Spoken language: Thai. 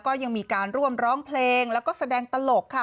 ก็ยังมีการร่วมร้องเพลงแล้วก็แสดงตลกค่ะ